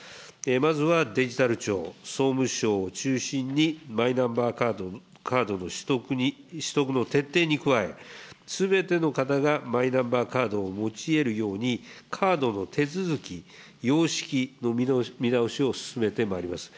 まずはデジタル庁、総務省を中心に、マイナンバーカードの取得の徹底に加え、すべての方がマイナンバーカードを持ちえるように、カードの手続き、様式の見直しを進めてまいります。